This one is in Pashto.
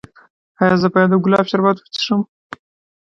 ایا زه باید د ګلاب شربت وڅښم؟